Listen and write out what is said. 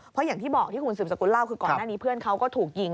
เพราะอย่างที่บอกที่คุณสืบสกุลเล่าคือก่อนหน้านี้เพื่อนเขาก็ถูกยิง